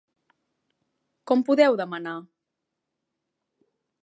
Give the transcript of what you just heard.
Com podeu demanar.?